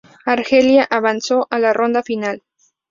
Argelia avanzó a la ronda final.